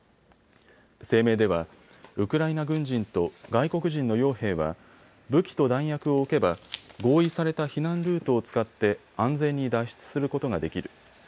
声明ではウクライナ軍人と外国人のよう兵は武器と弾薬を置けば合意された避難ルートを使って安全に脱出することができる。